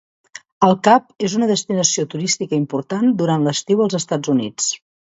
El Cap és una destinació turística important durant l'estiu als Estats Units.